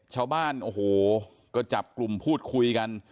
ชาวบ้านโอ้โหก็จับกลุ่มพูดคุยกัน